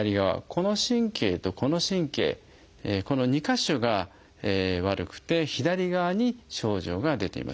この神経とこの神経この２か所が悪くて左側に症状が出ていました。